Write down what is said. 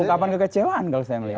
ungkapan kekecewaan kalau saya melihat